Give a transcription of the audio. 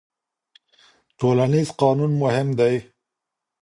ټولنيز قانون مهم دی.